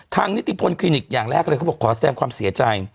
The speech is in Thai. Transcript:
นิติพลคลินิกอย่างแรกเลยเขาบอกขอแสงความเสียใจ